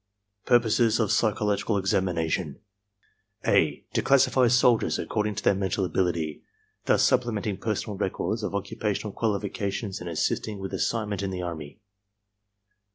PURPOSES OF PSYCHOLOGICAL EXAMINATION (a) To classify soldiers according to their mental ability, thus supplementing personnel records of occupational qualifications and assisting with assignment in the Army.